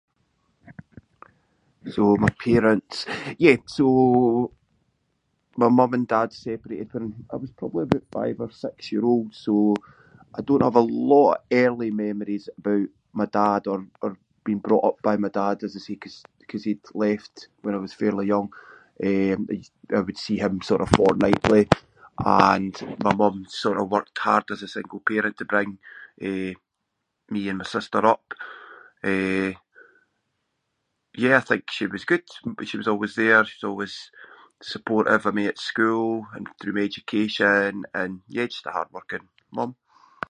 So my parents- yeah, so my mum and dad separated when I was probably aboot five or six year old, so I don’t have a lot of early memories about my dad or- or being brought up by my dad as I say ‘cause he- cause he’d left when I was fairly young. Eh, I would see him sort of fortnightly and my mum sort of worked hard as a single parent to bring, eh, me and my sister up. Eh, yeah, I think she was good. But she was always there, she was always supportive. I mean at school and through education and, yeah, just a hard-working mum.